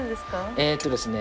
えーっとですね